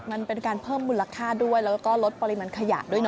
มันเป็นการเพิ่มมูลค่าด้วยแล้วก็ลดปริมาณขยะด้วยนะ